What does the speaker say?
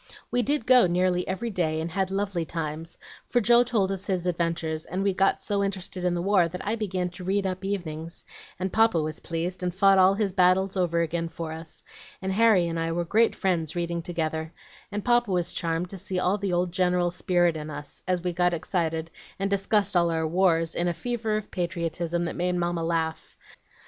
We did go nearly every day, and had lovely times; for Joe told us his adventures, and we got so interested in the war that I began to read up evenings, and Papa was pleased, and fought all his battles over again for us, and Harry and I were great friends reading together, and Papa was charmed to see the old General's spirit in us, as we got excited and discussed all our wars in a fever of patriotism that made Mamma laugh.